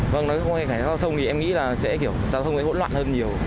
vâng nói về giao thông thì em nghĩ là sẽ kiểu giao thông ấy bỗn loạn hơn nhiều